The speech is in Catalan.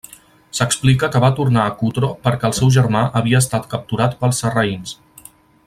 S'explica que va tornar a Cutro perquè el seu germà havia estat capturat pels sarraïns.